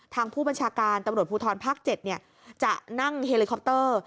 ทางผู้บัญชาการตำรวจภูทรภาค๗จะนั่งเฮลิคอปเตอร์